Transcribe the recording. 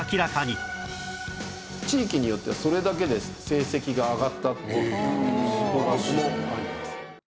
地域によってはそれだけで成績が上がったっていう報告もあります。